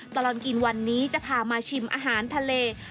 ตลอดกินวันนี้จะพามาชิมอาหารทะเล